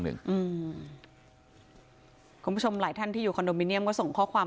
คุณผู้ชมหลายท่านที่อยู่คอนโดมิเนียมก็ส่งข้อความ